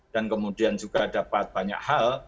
kemudian juga dapat banyak hal